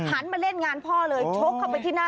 มาเล่นงานพ่อเลยชกเข้าไปที่หน้า